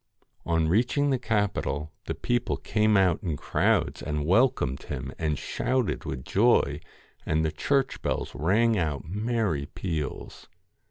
On reaching the capital, the people came out in crowds and welcomed him, and shouted with joy, and the church bells rang out merry peals.